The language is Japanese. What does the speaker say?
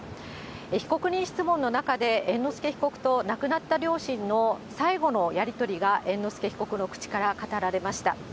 被告人質問の中で、猿之助被告と亡くなった両親の最後のやり取りが猿之助被告の口から語られました。